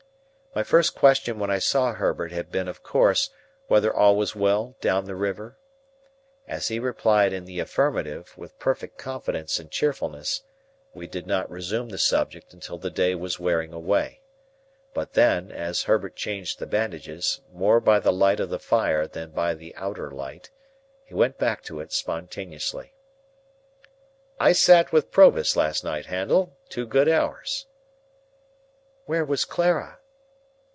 My first question when I saw Herbert had been of course, whether all was well down the river? As he replied in the affirmative, with perfect confidence and cheerfulness, we did not resume the subject until the day was wearing away. But then, as Herbert changed the bandages, more by the light of the fire than by the outer light, he went back to it spontaneously. "I sat with Provis last night, Handel, two good hours." "Where was Clara?"